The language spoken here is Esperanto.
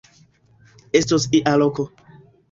Estos ia loko.